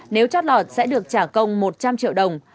nếu chót lọt sẽ được trả công một trăm linh triệu đồng